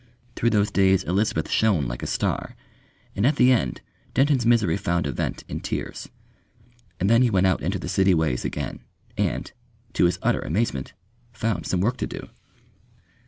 Through those days Elizabeth shone like a star, and at the end Denton's misery found a vent in tears. And then he went out into the city ways again, and to his utter amazement found some work to do.